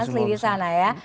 asli di sana ya